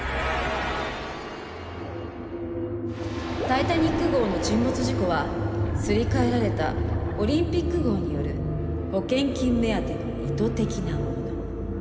タイタニック号の沈没事故はすり替えられたオリンピック号による保険金目当ての意図的なもの。